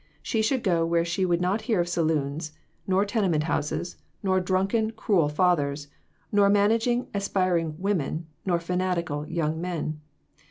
She should go where she would not hear of saloons, nor tene ment houses, nor drunken, cruel fathers, nor man* aging, aspiring women, nor fanatical young men.